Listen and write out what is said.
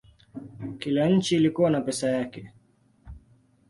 Kila nchi ilikuwa na pesa yake.